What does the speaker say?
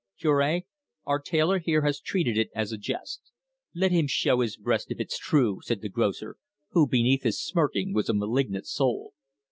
"Cure, our tailor here has treated it as a jest." "Let him show his breast, if it's true," said the grocer, who, beneath his smirking, was a malignant soul.